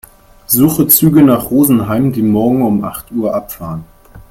Suche Züge nach Rosenheim, die morgen um acht Uhr abfahren.